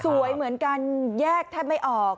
เหมือนกันแยกแทบไม่ออก